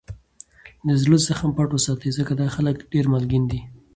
دزړه زخم پټ وساتئ! ځکه دا خلک دېر مالګین دي.